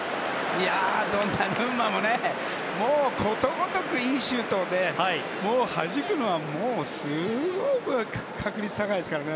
ドンナルンマももう、ことごとくいいシュートをはじくのはすごい確率高いですからね。